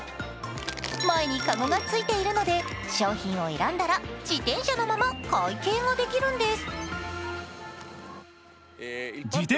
前に籠がついているので、商品を選んだら自転車のまま会計ができるんです。